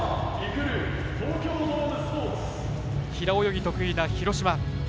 平泳ぎ得意な廣島。